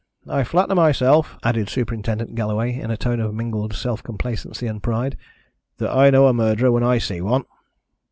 I flatter myself," added Superintendent Galloway in a tone of mingled self complacency and pride, "that I know a murderer when I see one."